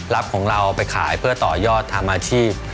รับของเราไปขายเพื่อต่อยอดทำอาชีพ